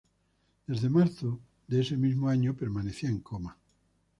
Desde marzo de ese mismo año permanecía en coma.